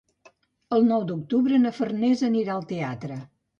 El nou d'octubre na Farners anirà al teatre.